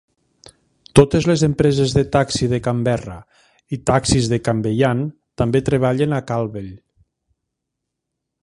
Totes les empreses de taxi de Canberra i taxis de Queanbeyan també treballen a Calwell.